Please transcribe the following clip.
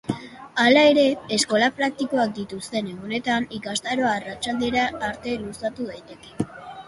Hala ere, eskola praktikoak dituzten egunetan ikastaroa arratsaldera arte luzatu daiteke.